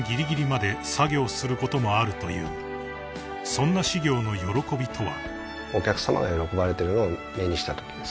［そんな執行の喜びとは］